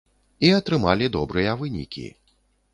І атрымалі добрыя вынікі.